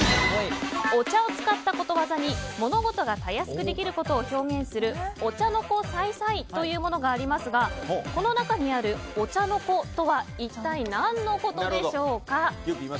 お茶を使ったことわざに物事がたやすくできることを表現するお茶の子さいさいというものがありますがこの中にある、お茶の子とは一体何のことでしょうか。